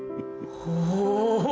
お！